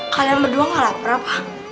kalian berdua gak lapar pak